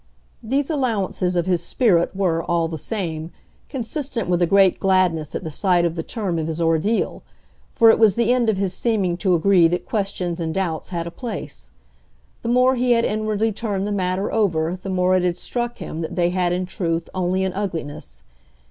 These allowances of his spirit were, all the same, consistent with a great gladness at the sight of the term of his ordeal; for it was the end of his seeming to agree that questions and doubts had a place. The more he had inwardly turned the matter over the more it had struck him that they had in truth only an ugliness.